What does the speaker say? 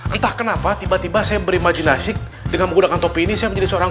entah kenapa tiba tiba saya berimajinasi dengan menggunakan topi ini saya menjadi seorang